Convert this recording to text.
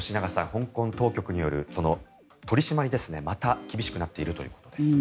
香港当局による取り締まりまた厳しくなっているということです。